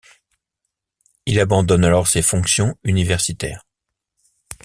Il abandonne alors ses fonctions universitaires.